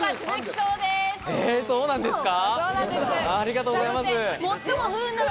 そうなんですか。